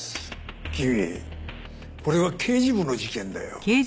君これは刑事部の事件だよ。